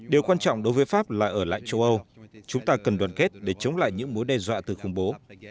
điều quan trọng đối với pháp là ở lại châu âu chúng ta cần đoàn kết để chống lại những mối đe dọa từ khủng bố